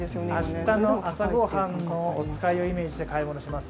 明日の朝ごはんのおつかいをイメージして買い物します。